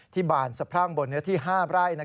บานสะพรั่งบนเนื้อที่๕ไร่